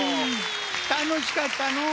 たのしかったのう。